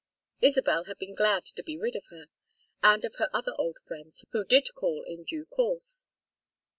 Isabel had been glad to be rid of her, and of her other old friends, who did call in due course.